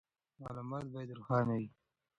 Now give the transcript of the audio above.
معلومات باید روښانه وي.